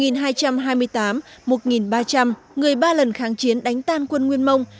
một nghìn hai trăm hai mươi tám một nghìn ba trăm linh người ba lần kháng chiến đánh tan quân nguyên mông